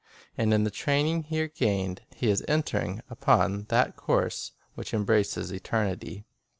And in the training here gained, he is enter ing upon that course which embraces eternity.